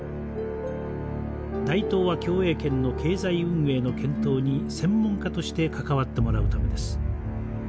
大東亜共栄圏の経済運営の検討に専門家として関わってもらうためです。